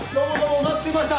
お待ちしてました。